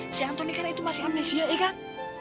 si antoni kan itu masih amnesia ya kan